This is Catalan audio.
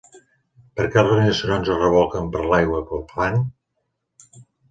Per què els rinoceronts es rebolquen per l'aigua i pel fang?